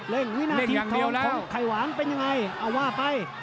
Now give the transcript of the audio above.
วินาทีทองของไข่หวานเป็นยังไงเอาว่าไป